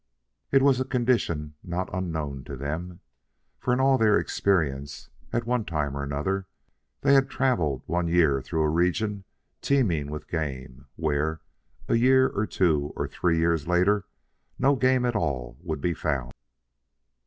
It was a condition not unknown to them, for in all their experience, at one time or another, they had travelled one year through a region teeming with game, where, a year or two or three years later, no game at all would be found.